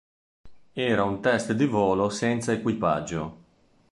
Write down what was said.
Era un test di volo senza equipaggio.